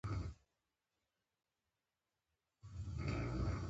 دا د کرزي لور څه کار کوي.